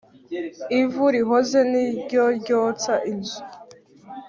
Ivu rihoze ni ryo ryotsa inzu.